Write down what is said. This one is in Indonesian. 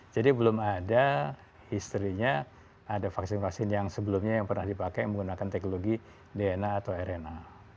jadi belum ada history nya ada vaksin vaksin yang sebelumnya yang pernah dipakai menggunakan teknologi dna atau rna